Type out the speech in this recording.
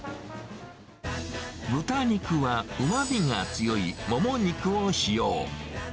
豚肉はうまみが強いもも肉を使用。